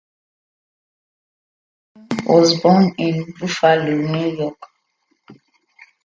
O'Brian was born in Buffalo, New York.